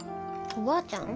おばあちゃん？